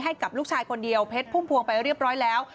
ให้กับลูกชายคนเดียวเพชรพุ่มพวงไปเรียบร้อยแล้ว